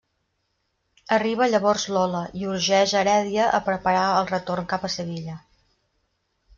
Arriba llavors Lola i urgeix Heredia a preparar el retorn cap a Sevilla.